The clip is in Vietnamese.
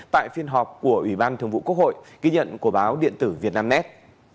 tại phiên họp của ủy ban thường vụ quốc hội ghi nhận của báo điện tử việt nam nét